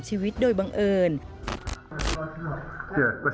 สวัสดีครับ